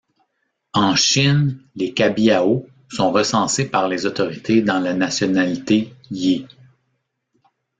En Chine, Les Qabiao sont recensés par les autorités dans la nationalité yi.